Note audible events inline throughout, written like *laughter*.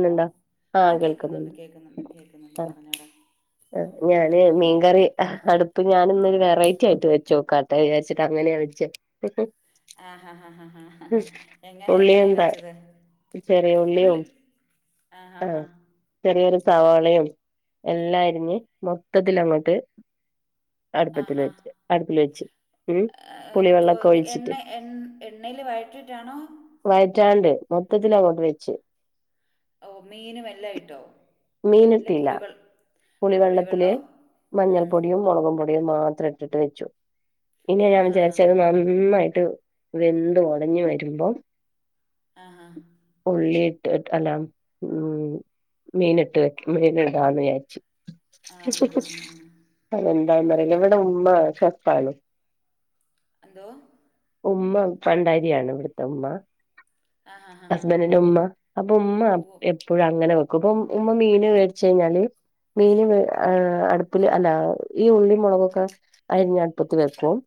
ന്നുണ്ടോ ആഹ് കേക്കുന്നുണ്ട് കേൾക്കുന്നുണ്ട് കേൾക്കുന്നുണ്ട് കേൾക്കുന്നുണ്ട് പറഞ്ഞോട ആ ഞാന് മീൻകറി അടുപ്പ് ഞാന് ഇന്നൊരു വെറൈറ്റി ആയിട്ട് വെച്ചോക്കാട്ടെ വിചാച്ചിട്ട് അങ്ങനെയാ വച്ച് ആഹ് ഹാ ഹാ ഹാ ഹാ എങ്ങനെ എങ്ങനെയാ ഉള്ളിയെന്താ വെച്ചത് ചെറിയ ഉള്ളി ഉള്ളിയും ആഹ ആ ആഹ് ഹാ ചെറിയൊരു സവാളയും എല്ലാം അരിഞ്ഞ് മൊത്തത്തിൽ അങ്ങോട്ട് അടുപ്പത്തി വെ അടുപ്പില് വെച്ചു എണ് എണ്ണയിൽ വഴറ്റിട്ടാണോ വയറ്റാണ്ട് മൊത്തത്തി അങ്ങോട്ട് വെച്ച് ഓ മീനും എല്ലാം ഇട്ടോ ഇല്ല പുളി വൾ വെള്ളത്തില് മഞ്ഞൾ പൊടിയും മൊളകുപൊടിയും മാത്രട്ടിട്ട് വെച്ചു പിന്നെ ആ ഞാൻ ഹാ ഹാ വിചാരിച്ചത് മാ നന്നായിട്ട് വെന്ത് ഒടഞ്ഞ് വരുമ്പം ആഹ്ഹാ ഉള്ളിയിട്ട് ട്ട് അല്ല ഉം ഉം മീനിട്ട് വെക്ക മീനിടാന്ന് വിചാരിച്ചു ആ ആ ആ ആ ആ ഓ ഓ അതെന്താന്നറിയില ഇവിടെ ഉമ്മ ഷെഫാണ് എന്തോ ഉമ്മ പണ്ടാരിയാണ് ഇവിടത്തുമ്മ ആ ഹാ ഹാ ഹാ ഹസ്ബൻഡിന്റെന്റുമ്മ അപ്പൊ ഉമ്മ ഓ എ പ്പോഴങ്ങനെ വെക്കു ഇപ്പം ഉം ഉമ്മ മീന് വേടിച്ചയിഞ്ഞാല് മീന് വേ ഏ അടുപ്പില് അല്ല ഈ ഉള്ളി മൊളകൊക്കെ അരിഞ്ഞട്പ്പത്ത് വെക്കും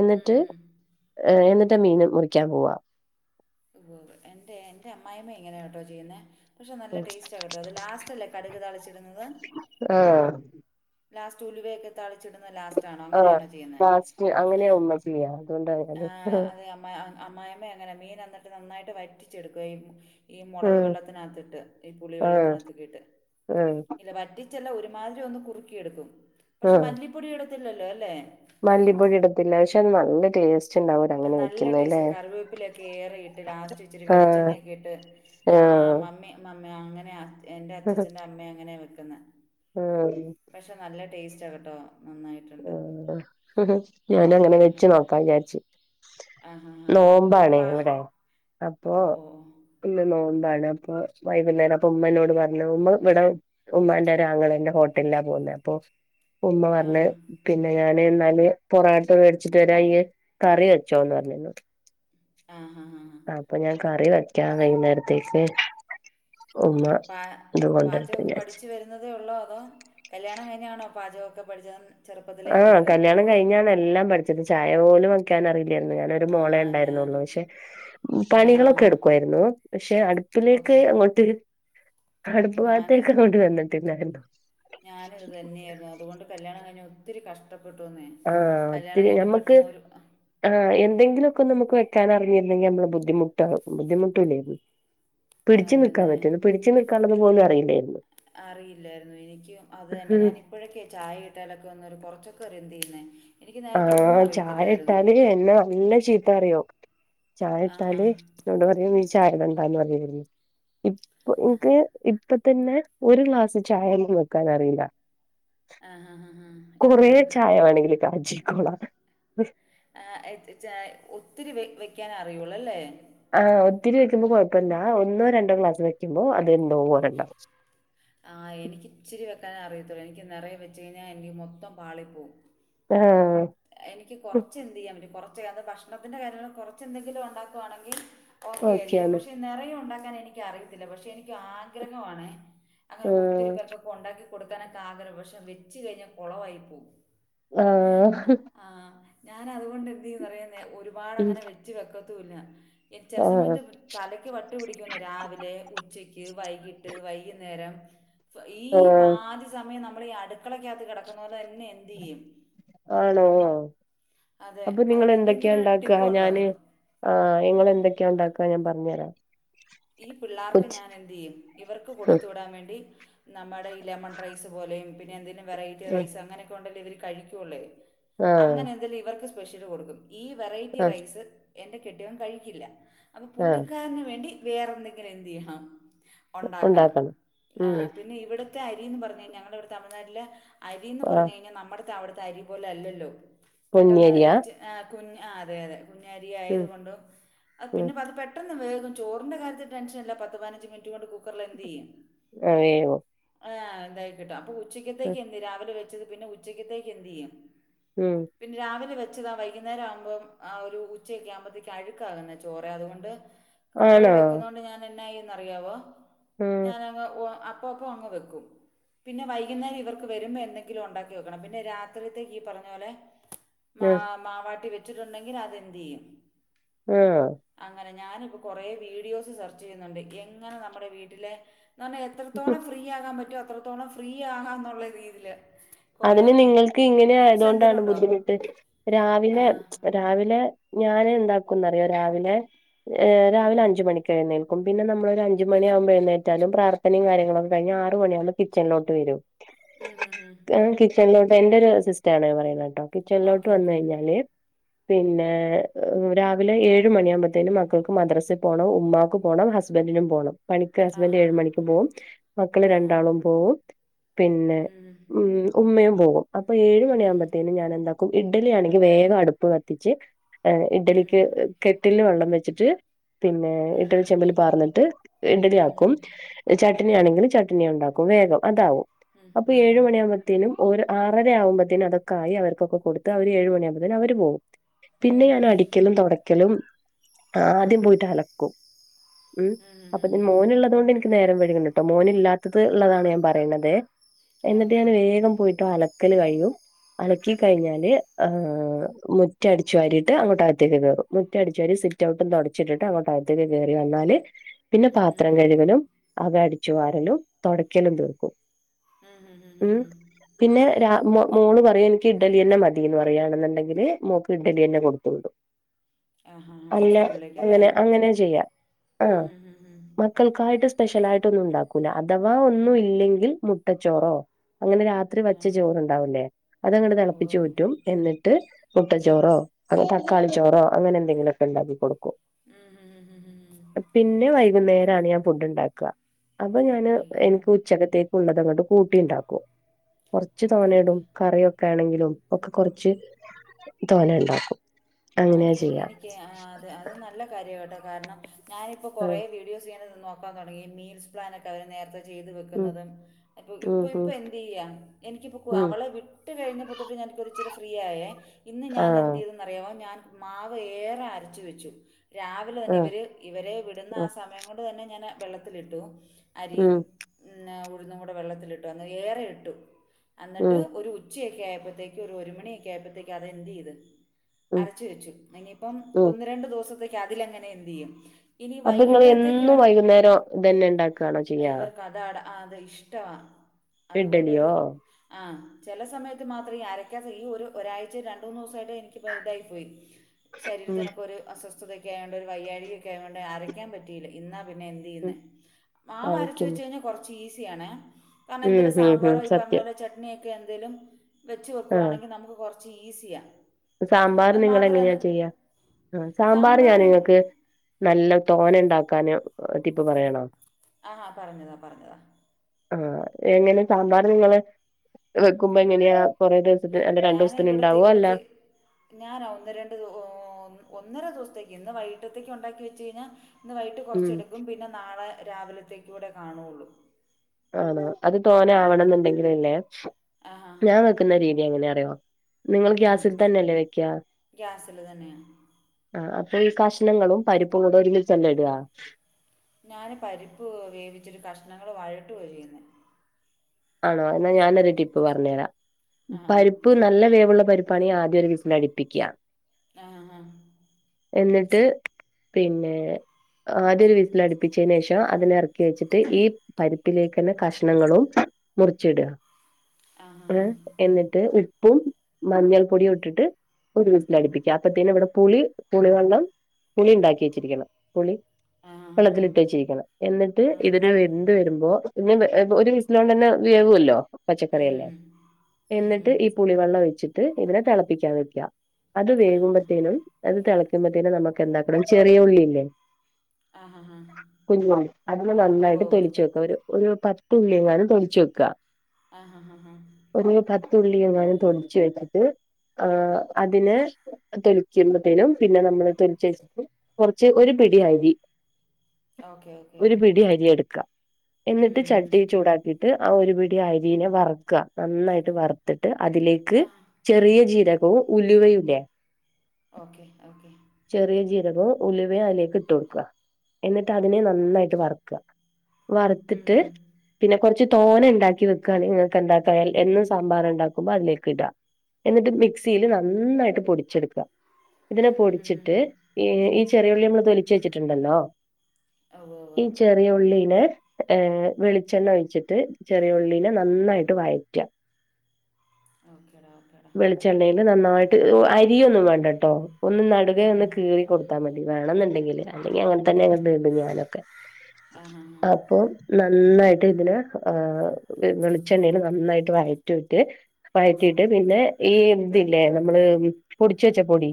എന്നിട്ട് ഉം ഏ എന്നിട്ട് മീന് മുറിക്കാൻ പോവാ എന്റെ എ് എന്റമ്മായിയമ്മ ഇങ്ങനെയാണ് ട്ടോ ചെയ്യുന്നെ പഷേ നല്ല ടേസ്റ്റ കെട്ടോ അത് ലാസ്റ്റല്ലേ കടുക് താളിച്ചിടുന്നത് ആഹ് ലാസ്റ്റ് ഉലുവയൊക്കെ താളിച്ചിടുന്നെ ലാസ്റ്റാണോ അങ്ങനെയാണോ ചെയ്യുന്നെ എ ചിയ അതുകൊണ്ടാ ആഹ് അത് അമ്മ അ അമ്മായമ്മങ്ങന മീൻ എന്നിട്ട് നന്നായിട്ട് വറ്റിച്ചെടുക്കുകയും ഈ മൊളക് വെള്ളത്തിനകത്തിട്ട് ഈ പുളി ആഹ് വെള്ളത്തിനകത്തൊക്കെയിട്ട് ആഹ് ഇല്ല വറ്റി ച്ചല്ല ഒരുമാതിരി ഒന്നു കുറുക്കിയെടുക്കും പക്ഷേ ആഹ് മല്ലിപ്പൊടിയിടത്തില്ലല്ലോ അല്ലേ മല്ലിപ്പൊടി ഇടത്തില്ല ഷേ അത് നല്ല ടേസ്റ്റ് ഉണ്ടാവൂല അ അങ്ങനെ നല്ല ടേസ്റ്റാ വെക്കുന്നല്ലേ കറിവേപ്പിലയൊക്കെ ഏറെയിട്ട് ലാസ്റ്റ് ഇച്ചിരി ആഹ് വെളിച്ചെണ്ണയൊക്കെയിട്ട് ആഹ് മമ്മി മമ്മി അങ്ങനെയാ എന്റെ അഛച്ചന്റമ്മയങ്ങനെയ വെക്കുന്നെ ആഹ് പക്ഷെ നല്ല ടേസ്റ്റാ കെട്ടോ നന്നായി ഓഹ് ഞാനങ്ങനെ വെച്ച് അങ്ങനെ നോക്കാ വിചാരിച്ചു ആ ഹാ ഹാ ഇപ്പം നോമ്പാണെ പാ ഇവിടെ അപ്പൊ ഓ ഓ ഓ ഇന്ന് നോമ്പാണ് അപ്പൊ വൈകുന്നേര അപ്പൊ ഉമ്മന്നോട് പറഞ്ഞു ഉമ്മ ഇവിടെ ഉമ്മാന്റെ ഒരാങ്ങളെന്റെ ഹോട്ടൽലാ പോകുന്നേ അപ്പൊ ഉമ്മ ആ പറഞ്ഞ് ഹാ പിന്നെ ഞാന് എന്നാല് പൊറാട്ടോ വേടിച്ചിട്ട് വരാ ഇയ്യ് കറി വെച്ചോന്ന് പറഞ്ഞെന്നോട് ആഹ് ഹ ഹ ആഹ് അപ്പൊ ഞാൻ കറി വെക്കാ വൈന്നേരത്തേക്ക് ഏഹ് പ പാചഒക്കെ വിചാരിച്ച് പഠിച്ചു വരു രുന്നതേയുള്ളോ അതോ കല്യാണം കയിഞ്ഞാണോ പാചകൊക്കെ പഠിച്ചത് ചെറുപ്പത്തിലേ എന്ത് ആഹ് ചെയ്തോ കല്യാണം കഴിഞ്ഞാണെല്ലാം പഠിച്ചത് ചായ പോലും വെക്കാനറിയി ല്ലാര്ന്ന് ഞാനൊരു ആ മോളെ ഞാൻ ഇണ്ടായിരുന്നുള്ളൂ പഷേ ഉം ആ ആ പണികളൊക്കെ ആ എടുക്കുവായിരുന്നു പഷേ അടുപ്പിലേക്ക് ഓക്കെ അങ്ങോട്ട് അടുപ്പ് ഞാൻ ഭാഗത്തേക്കങ്ങോട്ട് വന്നിട്ടില്ലാര്ന്നു ന്നേരതുകൊണ്ട് കല്ല്യാണം കയിഞ്ഞൊത്തിരി കഷ്ടപ്പെട്ടൂന്നേ ആഹ് കല്യാണം ഒത്തിരി കയിഞ്ഞ് നമുക്ക് പെട്ടെന്നൊരു ആഹ് എന്തെങ്കിലൊക്കൊന്നമ്മക്ക് വെക്കാനറിയില്ലെങ്കി അമ്മള് ബുദ്ധിമുട്ടാകും ബുദ്ധിമുട്ടൂലേര്ന്ന് പിടിച്ചു അത് നിക്കാൻ തന്നെ പറ്റ്ന് പിടിച്ചു നിക്കാള്ളത് പോലും അറിയില്ലേര്ന്നു അറിയില്ലായിരുന്നു എനിക്കും അതു തന്നെ ഞാനി പ്പോഴൊക്കെ ചായയിട്ടാലൊക്കെ ഒന്ന് ഒരു കുറച്ചൊക്കറി എന്തെയ്യ്ന്നെ ഓഹ് ചായയിട്ടാല് എന്നെ നല്ല ചീ ത്തറിയു ആഹാ ചായയിട്ടാല് എന്നോട് പറയും നീ ചായയിടണ്ടാന്ന് പറയായ്ര്ന്നു ഇപ്പൊ എനിക്ക് ഇപ്പ തന്നെ ഒരു ഗ്ലാസ് ചായയൊന്നും വെക്കാനറിയില്ല ആഹാ ഹാ ഹാ കൊറെ ഇപ്പോഴും ചായ വേണെങ്കി കാച്ചിക്കോളാ ആഹ് എ ച ചായ ഒത്തിരി വെ വെക്കാനറിയുള്ളൂ അല്ലെ ആഹ് ഒത്തിരി വെക്കുമ്പോ കൊഴപ്പില്ല അ ഒന്നോ രണ്ടോ ഗ്ലാസ് വെക്കുമ്പോ അതെന്തോ പോലെണ്ടാവും ആഹ് എനിക്കിച്ചിരി വെക്കാനറിയത്തുള്ളെ എനിക്ക് നെറയെ വെച്ച് കയഞ്ഞാ എനിക്ക് മൊത്തോം പാലിപ്പോവും ഏഹ് എനിക്ക് കുറച്ച് എന്ത് ചെയ്യൻ പറ്റും കുറച്ച് ഭക്ഷണത്തിന്റെ കാര്യങ്ങൾ കുറച്ച് എന്തെങ്കിലും ഉണ്ടാക്കുകവാണെങ്കി ഓക്കെ ആയിരിക്കും ഓക്കെയാണ് പക്ഷെ നിറയ ഉണ്ടാക്കാൻ എനിക്ക് അറിയത്തില്ല പക്ഷെ എനിക്ക് ആഗ്രഹമാണ് അങ്ങനെ പോ ഒത്തിരി ആഹ് പേർക്കൊക്കെ ഉണ്ടാക്കി കൊടുക്കാനൊക്കെ ആഗ്രഹ പക്ഷെ വെച്ച് കഴിഞ്ഞാൽ കുളവായി പോവും. ആഹ് ആഹ് ഞാൻ അതുകൊണ്ട് എന്ത് ചിയേന്നേ ഒരുപാട് ഉം അങ്ങനെ വെച്ച് വെക്കതുല്ല എച്ചെ ആഹ് സെമാന്റെബ്ൾ തലയ്ക്ക് വട്ട് പിടിക്കുന്നെ രാവിലെ ഉച്ചയ്ക്ക് വൈകിട്ട് വൈകുന്നേരം ഈ ആഹ് പാതി സമയം നമ്മൾ ഈ അടുക്കളക്കകത്ത് കിടക്കുന്ന പോലെ തന്നെ എന്ത് ചെയ്യും. ആണോ അതെ അപ്പൊ നിങ്ങൾ എന്തൊക്കെയാ അതിനെന്തെങ്കിലും ഉണ്ടാക്കാ ടിപ്പുണ്ടോ ഞാന് ആഹ് നിങ്ങൾ എന്തൊക്കെയാ ഉണ്ടാക്കാ ഞാൻ പറഞ്ഞു തരാം. ഈ പിള്ളേർക്ക് കൊച്ച് ഞാൻ എന്ത് ചെയ്യും ഇവർക്ക് കൊടുത്തു വിടാൻ വേണ്ടി നമ്മുടെ ഈ ലെമൺ റൈസ് പോലെയും പിന്നെ എന്തേലും വെറൈറ്റി ആഹ് റൈസ് അങ്ങനെയൊക്കെ ഉണ്ടേലെ ഇവർ കഴിക്കുവുളെ ആഹ് അങ്ങനെ എന്തെങ്കലും ഇവർക്ക് സ്പെഷ്യല് കൊടുക്കും ഈ വെറൈറ്റി ആഹ് റൈസ് എന്റെ കെട്ടിയവൻ കഴിക്കില്ല അപ്പ ആഹ് പുള്ളിക്കാരന് വേണ്ടി വേറെ എന്തെങ്കിലും എന്ത്യ്യണം ഉണ്ടാക്കണം ആഹ് പിന്നെ ഇവിടുത്തെ അരിന്ന് പറഞ്ഞ് കഴിഞ്ഞാ ഞങ്ങളുടെ ഇവിടെ തമിഴ്നാട്ടിലെ അരിന്ന് ആഹ് പറഞ്ഞു കഴിഞ്ഞാൽ നമ്മുടെത്തെ അവിടുത്തെ അരി പോലെ അല്ലല്ലോ പെട്ടെന്ന് ഈ പൊന്നിയരിയാ ച ആഹ് കുഞ് അതെ അതെ കുഞ്ഞരി ആയത് ഉം കൊണ്ടും ഉം പിന്നെ അത് പെട്ടെന്ന് വേവും ചോറ് അവന്റെ കാര്യത്തി ടെൻഷൻയില്ല പത്ത് പതിനഞ്ച് മിനിറ്റ് കൊണ്ട് കുക്കറില് എന്ത് ചെയ്യും. ആ വേവോ ആഹ് ഇതായി കിട്ടും അപ്പൊ ഉച്ചക്കത്തേക്ക് എന്തിയെ രാവിലെ വെച്ചത് പിന്നെ ഉച്ചക്കത്തേക്ക് എന്ത് ചെയ്യും. ഉം പിന്നെ രാവിലെ വെച്ചതാ വൈകുന്നേരം ആവുമ്പോം ആ ഒരു ഉച്ചയക്കെ ആകുമ്പോഴത്തേക്ക് അഴുകാന്നെ ചോറ് അതുകൊണ്ട് - കുക്കറി ആണോ വെക്കുന്നൊണ്ട് ഞാൻ എന്നാ ചെയ്യുവോന്നറിയാമോ ഉം ഞാനങ്ങ് അപ്പ അപ്പ അങ്ങ് വെക്കും. പിന്നെ വൈകുന്നേരം ഇവർക്ക് വരുമ്പം എന്തെങ്കിലും ഒണ്ടാകി വെക്കണം പിന്നെ രാത്രിത്തെക്ക് ഈ പറഞ്ഞ പോലെ- മാ ഉം മാവാട്ടി വെച്ചിട്ടുണ്ടെങ്കിൽ അത് എന്ത്ചെയ്യും ആഹ് അങ്ങനെ ഞാനിപ്പോ കൊറേ വീഡിയോസ് സെർച്ച് ചെയ്യുന്നുണ്ട് എങ്ങനെ നമ്മുടെ വീട്ടിലെ എത്രത്തോളം ഫ്രീ ആകാൻ പറ്റോ അത്രത്തോളം ഫ്രീ ആകാം എന്നുള്ള രീതില് അതിന് നിങ്ങൾക്ക് ഇങ്ങനെ ആയതൊണ്ടാണ് ബുദ്ധിമുട്ട് രാവിലെ- ആ രാവിലെ ഞാന് എന്താക്കുംന്നറിയോ രാവിലെ രാവിലെ ഉം അഞ്ച് മണിക്ക്. എഴുന്നേക്കും പിന്നെ നമ്മള് ഒരു അഞ്ച് മണിയാകുമ്പോ എഴുന്നേറ്റാലും പ്രാർത്ഥയും കാര്യങ്ങളൊക്കെ കഴിഞ്ഞ് ആറ് മണിയാകുമ്പോ- കിച്ചണിലോട്ട് വരും. ഉം ഉം ഉം ഞാൻ കിച്ചണിലോട്ട് എന്റെ ഒരു സിസ്റ്റം ആണ് പറയുന്നത് കേട്ടോ കിച്ചണിലോട്ട് ഓക്കെ വന്ന് ഓക്കെ കഴിഞ്ഞാല്- പിന്നെ രാവിലെ ഏഴ് മണിയാമ്പോത്തേനും മക്കൾക്ക് മദ്രസിൽ പോകണം ഉമ്മാക്ക് പോണം ഹസ്- ബെന്റിനും പോണം. പണിക്ക് ഹസ്ബന്റ് ആഹ് ഏഴ് ആഹ് മണിക്ക് പോവും മക്കള് ആഹ് രണ്ടാളും പോവും പിന്നെ ഉം ഉമ്മയും പോകും അപ്പൊ ഏഴ് ഉം മണിയ ഉം ആകുമ്പോത്തേനും ഞാൻ എന്താക്കും ഇഡലിയാണെങ്കിൽ വേഗം അടുപ്പ് കത്തിച്ച്. ആഹ് ഇഡ്ഡലിക്ക് ഉം കെട്ടില് വെള്ളം വെച്ചിട്ട്. പിന്നെ ഇടലി ഉം ചെമ്പില് പാർന്നിട്ട് ഇടലിയാക്കും ഉം - ചട്ണിയ്യാ ആണെങ്കിൽ ചട്ണി ഒണ്ടാക്കും വേഗം അതാവും അപ്പൊ ഉം ഏഴ ആവുമ്പെതിനും ഒരു ആറര ആവുമ്പത്തേനും അതൊക്കെയായി അവർക്കൊക്കെ കൊടുത്ത് അവര് ഏഴുമണിയ ആകുമ്പോത്തേ അവര് പോകും. ഉം പിന്നെ ഞാൻ അടിക്കലും തൊട യ്ക്കലും ആദ്യം പോയിട്ട് അലക്കും. ഉം ഉം അപ്പൊതിന് മോനേ ഉള്ളത് കൊണ്ട് എനി - നേരം വൈക്ണ് കേട്ടോ മോനില്ലാത്തത് ഒള്ളതാണ് ഞാൻ പറയണത് ആഹ് എന്നിട്ട് ഓക്കെ ഞാൻ വേഗം പോയിട്ടു അലക്കല് കഴിഞ്ഞു അലക്കി കഴിഞ്ഞാല് മുറ്റം അടിച്ചു വാരിയിട്ട് അങ്ങോട്ട് അകതോട്ട് കെയറും മുറ്റ അടിച്ച് വാരി സിറ്റ് ഔട്ടും തൊടച്ചിട്ടിട്ട് അങ്ങോട്ട് അത്തേക്കെ കയറി വന്നാല്- പിന്നെ ഉം ഉം പാത്രം ഉം കഴുകലും അത് അടിച്ചു വാരലും തൊടയ്ക്കലും തീർക്കും. ഉം *unintelligible* പിന്നെ മോള് പറയും എനിക്ക് ഇഡ്ഡലി എന്നന്നെ മതിന്ന് പറയുകയാണെന്നുണ്ടെങ്കില് മോക്ക് ഇഡലി തന്നെ കൊടുത്തുള്ളൂ ആഹ് ആഹ് അല്ല സ്കൂളിലേക്കല്ലേ അങ്ങനെ അങ്ങനെ ചെയ്യാം ആഹ് ഉം ഉം ഉം ഉം മക്കൾക്കായിട്ട് സ്പെഷ്യലായിട്ട് ഒന്നും ഉണ്ടാക്കൂല അഥവാ ഒന്നും ഇല്ലെങ്കിൽ മുട്ടച്ചോറോ അങ്ങനെ രാ- രാത്രി വെച്ച ആഹ് ചോറുണ്ടാവുല്ലേ അത് അങ്ങട് ഉവ്വ് തെളപ്പിച്ചു ഊറ്റും എന്നിട്ട്- മുട്ട ചോറോ അ തക്കാളി ചോറോ അങ്ങനെ എന്തെങ്കിലുമൊക്കെ ഇണ്ടാക്കി കൊടുക്കും ഉം ഉം ഉം ഉം ഉം പിന്നെ വൈകുന്നേരാണ് ഞാൻ ഫുഡ് ഉണ്ടാക്കുക അപ്പൊ ഞാന് കഴിക്കുന്നു എനിക്ക് ഉച്ചകത്തെ- ഉള്ളത് അങ്ങോട്ട് കൂട്ടി ഉണ്ടാക്കും കൊറച്ച് ഓക്കെ തോനെയിടും ഓക്കെ കറിയൊക്കെ ആണെങ്കിലും ഒക്കെ കൊറച്ച് തോനെ ഉണ്ടാക്കും അങ്ങനെയാ ഓക്കേ ഓക്കേ ചെയ്യാ എനിക്ക് അത് അത് നല്ല കാര്യം കേട്ടോ കാരണം ഞാനിപ്പോൾ കൊറേ ആഹ് വീഡിയോസ് ഇങ്ങനെ നോക്ക- നക്കാ തുടങ്ങി മീൽസ് പ്ലാനൊക്കെ അവര് നേരത്തെ- ചെയ്ത് ഉം വെക്കുന്നതും ഉം ഇപ്പൊ ഉം യിപ്പൊ എന്ത് ചെയ്യ എനിക്കിപ്പോ ഉം അവളെ വി- തട്ട് കഴിഞ്ഞപ്പൊത്തോട്ട് ഞാനപ്പോ ഇച്ചിരി ഫ്രീയയെ ഇന്ന് ഞാൻ എന്ത് ആഹ് ചെയ്തെന്ന്റിയവോ - ഞാൻ മാവ് ഏറെ അരച്ച് വെച്ചു രാവിലെ തന്നെ ആഹ് ഇവര് ഇവരെ വിടുന്ന ആ സമയ- അതുകൊണ്ട് തന്നെ ഞാന് വെള്ളത്തിലിട്ടു ഉം അരിയും- പിന്നെ ഉഴുന്നും കൂടെ വെള്ളത്തിലിട്ടു അന്നേരം ഏറെ ഇട്ടു അന്നിട്ട് ഉം ഒരു ഉ- ച്യോയൊക്കായപ്പത്തേക്കും ഒരു ഒരു മണിയൊക്കെക്കായപ്പത്തേക്കും അത് എന്തെയ്ത് ഉം അരച്ച് വെച്ചു എനിയിപ്പം ഉം ഒന്ന് രണ്ട് ദിവസത്തേക്ക് അതിലങ്ങനെ എന്തെയ്യും ഇനി അപ്പൊ നിങ്ങള് വൈകിട്ടത്തേക്ക് എന്നും വേണം വൈകുന്നേരം ഇതന്നെ ഉണ്ടാക്കുകയാണോ ചെയ്യാ ഇവർ *unintelligible* അത് ഇഷ്ടാ അത് കൊണ്ടൊരു ഇഡ്ഡലിയോ ആ ചെല സമയത്ത് മാത്രം ഈ അരക്കാതെ ഈ ഒരു ഒരാഴ്ച രണ്ടൂന്നൂസായിട്ട് എനിക്ക് പ തായി പോയി ഉം ശരീരത്തിനൊക്കൊര് അസ്വസ്ഥതൊക്കായോണ്ട് ഒരു വഴായ്കയൊക്കായോണ്ട് അരയ്ക്കാൻ പറ്റ് റ്റീല ന്നാ പിന്നെ ഉം എന്തെയ്യ്ന്നെ മാവരച്ച് വെച്ച അരക്കുന്നു കയ്ഞ്ഞാ കൊർച്ച് ഈസിയാണെ കാരണം ന്തേലും ഉം ഉം ഉം സാമ്പാറോ ഈ സത്യം പർഞ്ഞോലെ ചട് ട്നിയൊക്കെ എന്തേലും വെച്ച് ആഹ് വെക്ക്വണെങ്കി നമുക്ക് കൊർച്ച് ഈസിയാ സാമ്പാർ നിങ്ങളെങ്ങനെയാ ചെയ്യ ആ സാമ്പാർ ഞാൻ നിങ്ങക്ക് നല്ലോം തോനെണ്ടാക്കാന് ടിപ്പ് പറയണോ ആഹ പറഞ്താ പറഞ്താ ആ എങ്ങനെ സാമ്പാറ് നിങ്ങള് വെക്കുമ്പെങ്ങനെയാ കൊറേ ദിവസത്തിന് അല്ല രണ്ട് ദിവസത്തിന് ണ്ടാവോ അല്ല ഞാനാ ഒന്ന് രണ്ട് ദ് ഒന്നര ദിവസത്തേക്ക് ഇന്ന് വൈകിട്ടത്തേക്ക് ഒണ്ടാക്കി വെച്ച് കഴ്ഞ്ഞാ ഇന്ന് വൈകിട്ട് ഉം കൊർച്ചെട്ക്കും പിന്നെ നാളെ രാവിലത്തേക്കൂടെ കാണൊള്ളു ആണോ അത് തോനാവണംന്ന്ണ്ടെങ്കിലില്ലേ ആഹാ ഞാൻ വെക്കുന്ന രീതി എങ്ങനറിയോ നിങ്ങൾ ആ ഗ്യാസിൽ തന്നല്ലേ വെക്ക ഗ്യാസിൽ തന്നെയാണ് ആ അപ്പൊ ഈ കഷ്ണങ്ങളും പരിപ്പും കൂടെ ഒരുമിച്ചല്ലേ ഇട ഞാൻ പരിപ്പ് വേവിച്ചിട്ട് കഷ്ണങ്ങൾ വഴട്ടാ ചെയ്യുന്നത് ആണോ എന്നാ ഞാനൊരു ടിപ്പ് പറഞ്ഞെരാ ആ പരിപ്പ് നല്ല വേവ്ള്ള പരിപ് പണി ആദ്യോരു വിസിലടിപ്പിക്ക ആ ആ എന്നിട്ട് പിന്നെ ആദ്യൊരു വിസിലട്പ്പിച്ചേനേഷം അത്ണ്ട് എറക്കി വെച്ച്ട്ട് ഈ പരിപ്പിലേക്കെന്നെ കഷ്ണങ്ങളും മുറിച്ച്ട ആ ആ ഏ എന്ന്ട്ട് ഉപ്പും മഞ്ഞൾ പൊടിയും ഇട്ട്ട്ട് ഒരു വിസിലടിപ്പിക്ക അപ്പത്തേന് വടെ പുളി പുളിവള്ളം പുളിണ്ടാക്കി വെച്ചിരിക്കണം പുളി ആ ആ വെള്ളത്തില്ട്ട്വെച്ചിരിക്കണം എന്ന്ട്ട് ആ ആ ഇതിനെ വെന്ത് വെരുമ്പോ *unintelligible* ഒരു വിസിലോണ്ടെന്നെ വേവല്ലോ ഉം പച്ചക്കറിയല്ലേ ഉം ഉം എന്നിട്ട് ഉം ഈ പുളിവെള്ളം ഒഴിച്ച്ട്ട് ഇതിനെ തെളപ്പിക്കാൻ വെക്ക അത് ആ വേകുമ്പത്തേനും ആ അത് തെളയ്ക്കുമ്പത്തേന് നമ്മക്ക് എന്താക്കണം ചെറിയ ഉള്ളില്ലേ ആ ആ ആ കുഞ്ഞുള്ളി അതിനെ ഉവ്വ് നന്നായിട്ട് ഉവ്വ് തൊലിച്ചു വെക്ക ഒരു ഒരു പത്തുള്ളിയെങ്ങാനും തൊലിച്ച് വെക്ക ആ ഹാ ഹാ ഹാ ഒരു പത്തുള്ളി എങ്ങാനും തൊലിച്ച് വെച്ചിട്ട് ആ അതിനെ തൊലിക്കുമ്പത്തേനും പിന്നെ നമ്മള് തൊലിച്ചത് കൊർച്ച് ഒരു പിടി അരി ഓക്കെ ഓക്കെ ഒരു ഓക്കെ പിടി അരി എട്ക്കാ എന്നിട്ട് ഉം ചട്ടി ചൂടാക്കി ആ ഒരു പിടി അരിനെ വർക്ക നന്നായിട്ട് വർത്ത്ട്ട് അതിലേക്ക് ആഹ് ചെറിയ ജീരകവും ഉലുവയു ല്ലേ ഓക്കെ ഓക്കെ ചെറിയ ജീരകവും ഉലുവേ അയ്ലേക്ക്ട്ട് കൊട്ക്ക എന്നിട്ട് അതിനെ നന്നായിട്ട് വർക്ക ഉം വർത്ത്ട്ട് പിന്നെ കൊർച്ച് തോനെണ്ടാക്കി വെക്കാണെങ്കി ങ്ങക്കെന്താക്കാ എന്നും സാമ്പാർണ്ടാക്കുമ്പോ അതിലേക്ക് ഇട എന്നിട്ട് മിക്സില് നന്നായിട്ട് പൊടിച്ചെട്ക്ക ഇതിനെ ഉം ഉം ഉം ഉം പൊട്ച്ച്ട്ട് ഈ ഈ ചെറിയുള്ളി നമ്മള് തൊലിച്ച് വെച്ച്ട്ട്ണ്ടല്ലോ ഉവ്വ് ഉവ്വ് ഈ ചെറിയുളളീനെ ഏ വെളിച്ചെണ്ണ ഒഴിച്ച് ട്ട് ചെറിയുള്ളീനെ നന്നായിട്ട് വഴറ്റ ഓക്കെടാ ഓക്കെടാ ചെണ്ൽ നന്നായിട്ട് അരിയ ഒന്നും വേണ്ടട്ടോ ഒന്ന് നടുകെ ഒന്ന് ഉം കീറി കൊടുത്താൽ മതി വേണം എന്നുണ്ടെങ്കില് അല്ലെങ്കി അങ്ങനെ തന്നെ അങ്ങട്ട് ഇട്ക ഞാനൊക്കെ ആണ് ണ് അപ്പൊ നന്നായിട്ട് ഇതിനെ ഏഹ് വെളിച്ചെണ്ണൽ നന്നായിട്ട് വഴറ്റ വറ്റ് വഴറ്റിട്ട് പിന്നെ ഈ ഇതില്ലേ നമ്മള് പൊടിച്ച വെച്ച പൊടി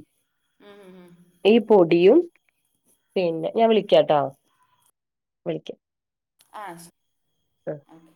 ഉം ഉം ഈ പൊടിയും പിന്നെ ഞാൻ വിളിക്കാട്ടോ വിളിക്കാം ആഹ് ശ് ആ ഒക്കെ